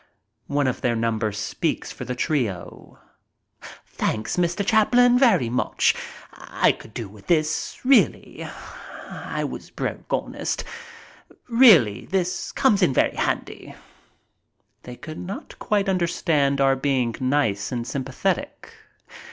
One of their number speaks for the trio. "Thanks, Mr. Chaplin, very much. I could do with this, really. I was broke, honest. Really, this comes in very handy." They could not quite understand our being nice and sympathetic.